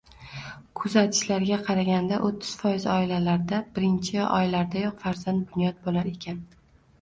Kuzatishlarga qaraganda, o’ttiz foiz oilalarda birinchi oylardayoq farzand bunyod bo‘lar ekan.